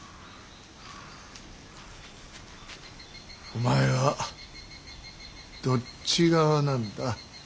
お前はどっち側なんだ。